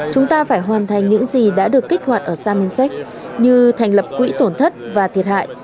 chúng ta phải hoàn thành những gì đã được kích hoạt ở samisak như thành lập quỹ tổn thất và thiệt hại